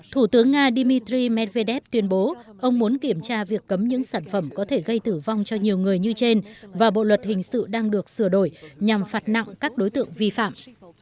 thủ tướng nga dmitry medvedev tuyên bố ông muốn kiểm tra việc cấm những sản phẩm có thể gây tử vong cho nhiều người như trên và bộ luật hình sự đang được sửa đổi nhằm phạt nặng các đối tượng vi phạm